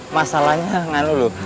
masalahnya nggak lulu